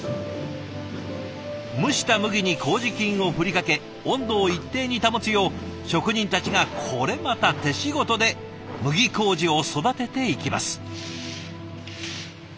蒸した麦に麹菌を振りかけ温度を一定に保つよう職人たちがこれまた手仕事で麦麹を育てていきます。